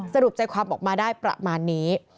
สรุปใจความออกมาได้ประมาณนี้